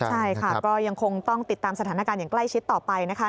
ใช่ค่ะก็ยังคงต้องติดตามสถานการณ์อย่างใกล้ชิดต่อไปนะคะ